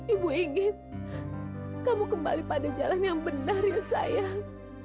ibu ingin kamu kembali pada jalan yang benar ya sayang